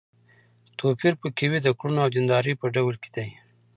توپير په کې وي د کړنو او د دیندارۍ په ډول کې دی.